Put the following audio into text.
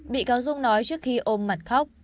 bị cáo dung nói trước khi ôm mặt khóc